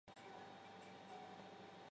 黄晓明被评为电视剧四大小生之一。